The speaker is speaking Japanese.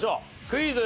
クイズ。